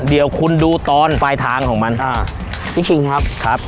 เดี๋ยวคุณดูตอนปลายทางของมันอ่าพี่คิงครับครับ